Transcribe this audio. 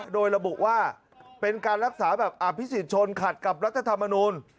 โดยระบุว่าเป็นการรักษาแบบอภิษฎชนขัดกับรัฐธรรมนูล